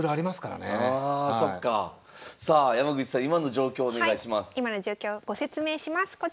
今の状況ご説明します。